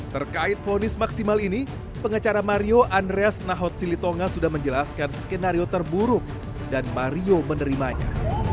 terkait fonis maksimal ini pengacara mario andreas nahot silitonga sudah menjelaskan skenario terburuk dan mario menerimanya